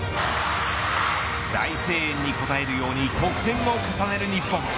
大声援に応えるように得点を重ねる日本。